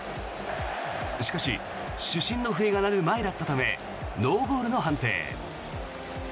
しかし主審の笛が鳴る前だったためノーゴールの判定。